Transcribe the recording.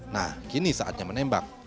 nah kini saatnya menembak